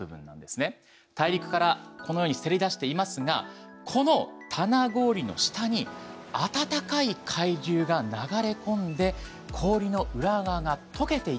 大陸からこのようにせり出していますがこの棚氷の下に暖かい海流が流れ込んで氷の裏側がとけていっている。